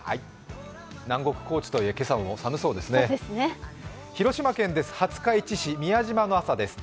南国・高知といえ、今朝も寒そうですね。